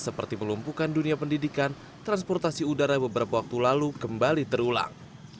seperti melumpukan dunia pendidikan transportasi udara beberapa waktu lalu kembali terulang